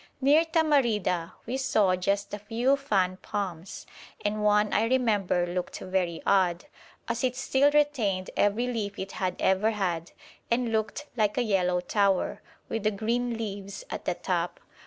Near Tamarida we saw just a few fan palms, and one I remember looked very odd, as it still retained every leaf it had ever had, and looked like a yellow tower, with the green leaves at the top.